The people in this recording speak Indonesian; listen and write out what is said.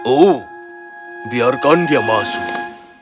oh biarkan dia masuk